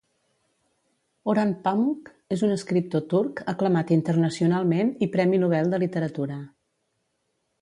Orhan Pamuk és un escriptor turc aclamat internacionalment i Premi Nobel de literatura.